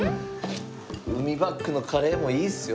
海バックのカレーもいいですよ。